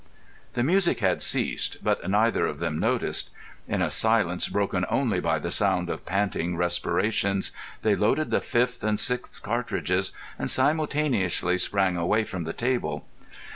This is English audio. The music had ceased, but neither of them noticed. In a silence broken only by the sound of panting respirations, they loaded the fifth and sixth cartridges, and simultaneously sprang away from the table.